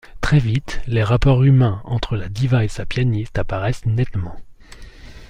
Très vite, les rapports humains entre la Diva et sa pianiste apparaissent nettement.